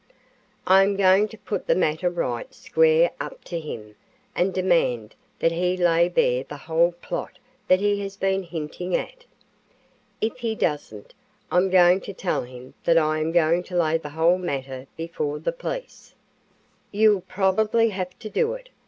"I am going to put the matter right square up to him and demand that he lay bare the whole plot that he has been hinting at. If he doesn't, I'm going to tell him that I am going to lay the whole matter before the police." "You'll probably have to do it.